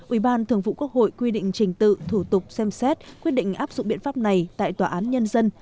ubthqh quy định trình tự thủ tục xem xét quyết định áp dụng biện pháp này tại tòa án nhân dân